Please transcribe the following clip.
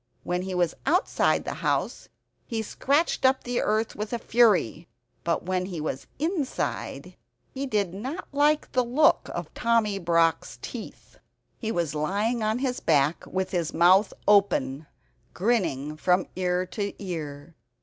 When he was outside the house, he scratched up the earth with fury. But when he was inside he did not like the look of Tommy Brock's teeth. He was lying on his back with his mouth open, grinning from ear to ear.